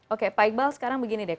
oke pak iqbal sekarang begini deh